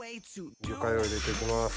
魚介を入れて行きます。